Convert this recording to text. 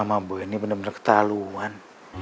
hah mama boy ini bener bener ketahuan